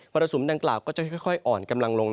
รสุมดังกล่าวก็จะค่อยอ่อนกำลังลง